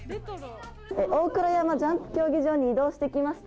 大倉山ジャンプ競技場に移動してきました。